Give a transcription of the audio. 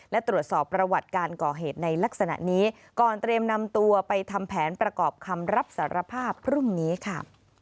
และตรวจสอบประวัติการก่อเหตุในลักษณะนี้ก่อนเตรียมนำตัวไปทำแผนประกอบคำรับสารภาพพรุ่งนี้ค่ะ